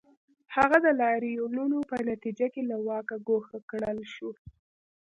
هغه د لاریونونو په نتیجه کې له واکه ګوښه کړل شو.